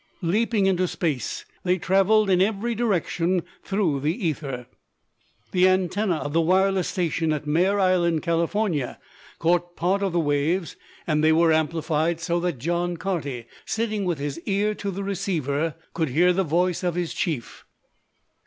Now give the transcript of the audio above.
Leaping into space, they traveled in every direction through the ether. The antenna of the wireless station at Mare Island, California, caught part of the waves and they were amplified so that John Carty, sitting with his ear to the receiver, could hear the voice of his chief.